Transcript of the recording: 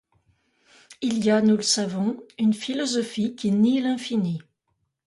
Il y a, nous le savons, une philosophie qui nie l'infini.